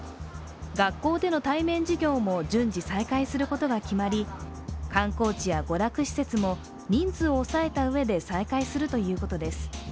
学校での対面授業も順次再開することが決まり観光地や娯楽施設も人数を抑えたうえで再開するということです。